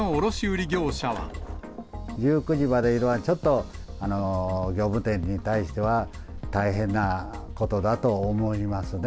１９時までというのは、ちょっと業務店に対しては、大変なことだと思いますね。